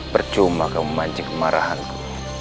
percuma kamu mancing kemarahanku